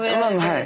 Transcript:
はい。